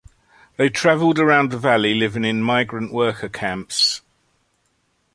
They traveled around the valley living in migrant worker camps.